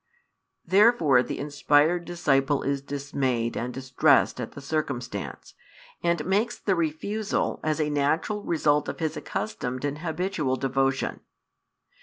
Therefore the inspired disciple is dismayed and distressed at the circumstance, and makes the refusal as a natural result of his accustomed and habitual devotion.